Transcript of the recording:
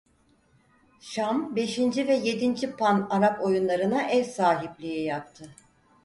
Şam beşinci ve yedinci Pan Arap Oyunlarına ev sahipliği yaptı.